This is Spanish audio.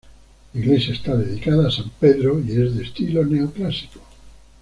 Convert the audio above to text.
La iglesia está dedicada a San Pedro y es de estilo neoclásico.